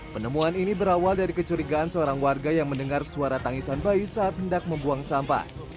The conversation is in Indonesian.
penemuan ini berawal dari kecurigaan seorang warga yang mendengar suara tangisan bayi saat hendak membuang sampah